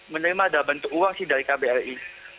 menerima ada bentuk uang sih dari kbri